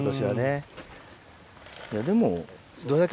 いやでも。